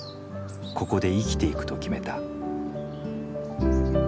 ここで生きていくと決めた。